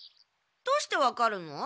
どうしてわかるの？